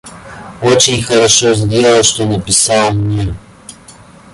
Очень хорошо сделал, что написал мне.